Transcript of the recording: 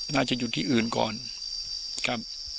น่าจะอยู่ที่อื่นก่อนครับ